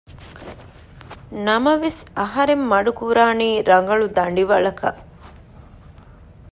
ނަމަވެސް އަހަރެން މަޑު ކުރާނީ ރަނގަޅު ދަނޑިވަޅަކަށް